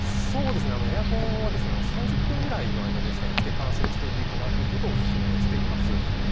エアコンは３０分ぐらいの間でしたらつけっぱなしにしておいていただくことをおすすめしています。